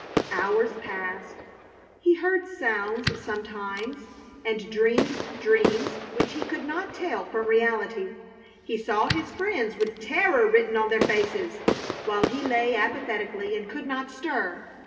Hours passed. He heard sounds sometimes, and dreamed dreams which he could not tell from reality. He saw his friends with terror written on their faces, while he lay apathetically and could not stir.